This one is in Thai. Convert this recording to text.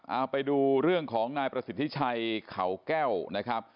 เอาไปดูเรื่องของนายประสิทธิชัยเขาแก้วนะครับ